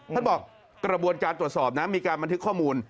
ท่านบอกกระบวนการตรวจสอบนะมีการบันทึกข้อมูล